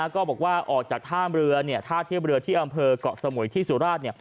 ก็บอกว่าออกจากท่ามเรือท่าเทียบเรือที่อำเภอกเกาะสมุยที่สุราช